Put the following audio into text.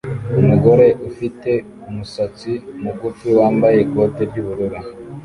Umugore ufite umusatsi mugufi wambaye ikote ry'ubururu